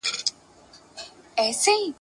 هر ګړی بدلوي غېږ د لونډه ګانو !.